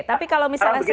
tapi kalau misalnya